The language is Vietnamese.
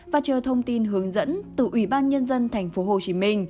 và chờ thông tin hướng dẫn từ ủy ban nhân dân tp hcm